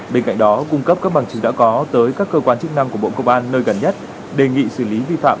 bên cạnh đó cung cấp các bằng chứng đã có tới các cơ quan chức năng của bộ công an nơi gần nhất đề nghị xử lý vi phạm